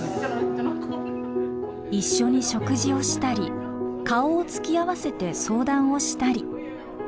一緒に食事をしたり顔を突き合わせて相談をしたり。